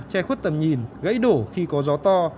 che khuất tầm nhìn gãy đổ khi có gió to